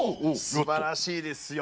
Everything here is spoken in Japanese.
すばらしいですよ。